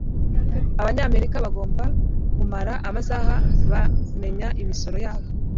abanyamerika bagomba kumara amasaha bamenya imisoro yabo